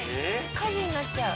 火事になっちゃう。